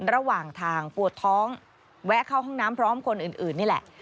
ระหว่างทางปวดท้องแวะเข้าห้องน้ำพร้อมคนอื่นนี่แหละ